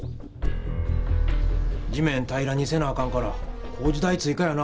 地面平らにせなあかんから工事代追かやな！